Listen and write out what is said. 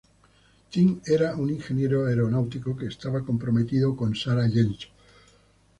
Tim era un ingeniero aeronáutico que estaba comprometido con Sarah Jenson.